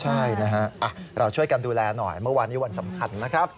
ใช่นะฮะเราช่วยกันดูแลหน่อยเมื่อวานนี้วันสำคัญนะครับ